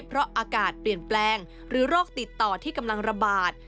เพราะอากาศเปลี่ยนแปลงหรือโรคติดต่อที่กำลังระบาด